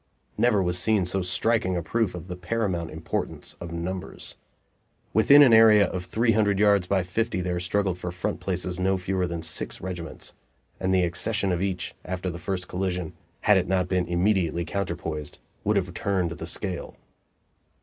Never was seen so striking a proof of the paramount importance of numbers. Within an area of three hundred yards by fifty there struggled for front places no fewer than six regiments; and the accession of each, after the first collision, had it not been immediately counterpoised, would have turned the scale.